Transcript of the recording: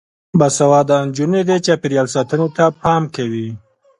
باسواده نجونې د چاپیریال ساتنې ته پام کوي.